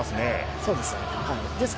そうですね。